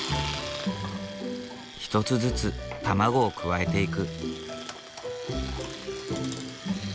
１つずつ卵を加えていく。